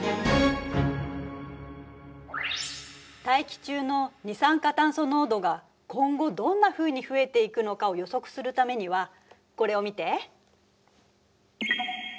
大気中の二酸化炭素濃度が今後どんなふうに増えていくのかを予測するためにはこれを見て。